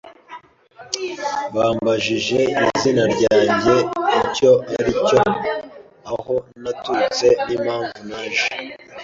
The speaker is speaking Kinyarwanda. Bambajije izina ryanjye icyo ari cyo, aho naturutse, n'impamvu naje.